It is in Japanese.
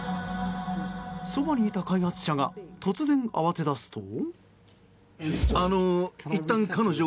そばにいた開発者が突然、慌てだすと。